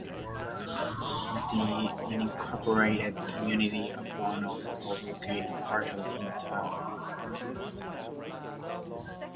The unincorporated community of Ono is also located partially in the town.